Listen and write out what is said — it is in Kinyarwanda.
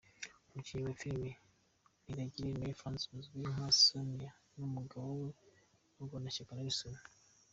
Umukinnyi wa filime Niragire Marie France uzwi nka Sonia n’umugabo we Murwanashyaka Nelson.